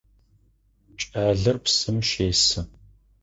Кӏалэр псым щесы.